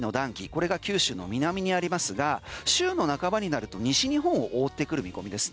これが九州の南にありますが週の半ばになると西日本を追ってくる見込みです。